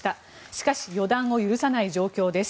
しかし予断を許さない状況です。